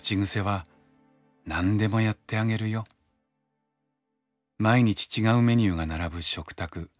口癖は毎日違うメニューが並ぶ食卓。